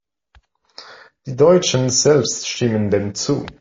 Die Deutschen selbst stimmen dem zu.